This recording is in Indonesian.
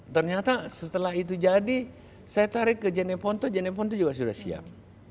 ternyata setelah itu jadi saya tarik ke jeneponto jeneponto juga sudah siap